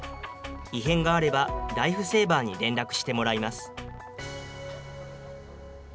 異変があれば、ライフセーバーに連絡してもらいます。